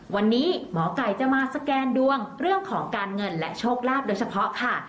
วันนี้หมอไก่จะมาสแกนดวงเรื่องของการเงินและโชคลาภโดยเฉพาะค่ะ